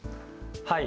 はい。